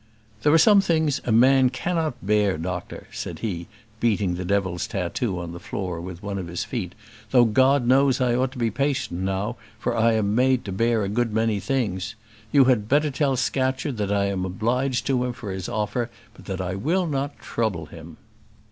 "There are some things a man cannot bear, doctor," said he, beating the devil's tattoo on the floor with one of his feet, "though God knows I ought to be patient now, for I am made to bear a good many things. You had better tell Scatcherd that I am obliged to him for his offer, but that I will not trouble him."